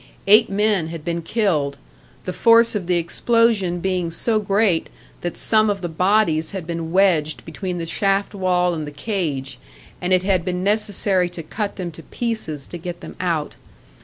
Eight men had been killed, the force of the explosion being so great that some of the bodies had been wedged between the shaft wall and the cage, and it had been necessary to cut them to pieces to get them out.